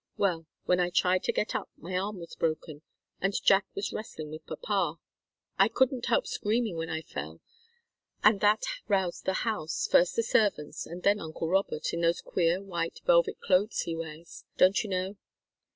Well, when I tried to get up, my arm was broken, and Jack was wrestling with papa. I couldn't help screaming when I fell, and that roused the house, first the servants, and then uncle Robert, in those queer white velvet clothes he wears don't you know?